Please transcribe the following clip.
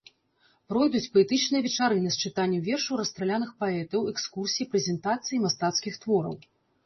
Пройдуць паэтычныя вечарыны з чытаннем вершаў расстраляных паэтаў, экскурсіі, прэзентацыі мастацкіх твораў.